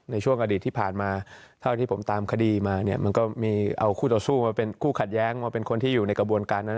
ในช่วงอดีตที่ผ่านมาเท่าที่ผมตามคดีมาเนี่ยมันก็มีเอาคู่ต่อสู้มาเป็นคู่ขัดแย้งมาเป็นคนที่อยู่ในกระบวนการนั้น